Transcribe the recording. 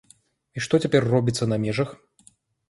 І што цяпер робіцца на межах?